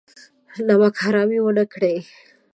نمک حرامي ونه کړي.